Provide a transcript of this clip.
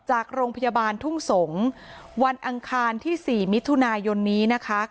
จากโรงพยาบาลทุ่งสงศ์วันอังคารที่๔มิถุนายนนี้นะคะ